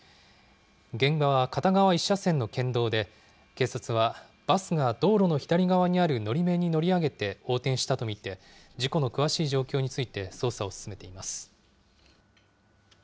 現場は片側１車線の県道で、警察は、バスが道路の左側にあるのり面に乗り上げて横転したと見て、事故の詳しい状況について捜査を進めています。